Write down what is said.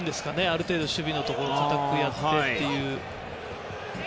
ある程度、守備のところ堅くやってという。